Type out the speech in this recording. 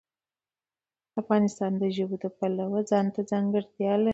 افغانستان د ژبو د پلوه ځانته ځانګړتیا لري.